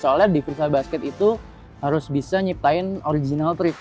soalnya di freestyle basket itu harus bisa nyiptain original trick